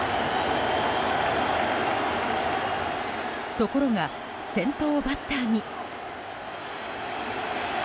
ところが先頭バッターに。